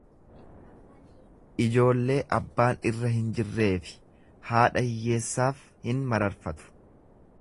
Ijoollee abbaan irra hin jirree fi haadha hiyyeessaaf hin mararfatu.